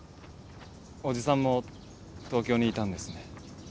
おじさんも東京にいたんですね。